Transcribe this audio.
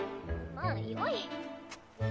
まぁよい。